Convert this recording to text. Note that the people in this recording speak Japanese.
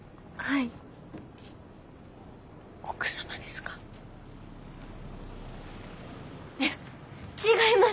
いや違います！